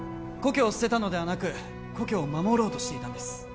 故郷を捨てたのではなく故郷を守ろうとしていたんです